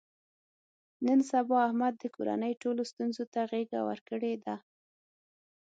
نن سبا احمد د کورنۍ ټولو ستونزو ته غېږه ورکړې ده.